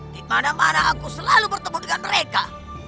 di mana mana aku selalu bertemu dengan mereka